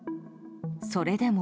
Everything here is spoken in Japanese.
それでも。